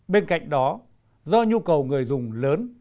bên cạnh đó do nhu cầu người dùng lớn